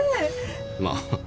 まあ。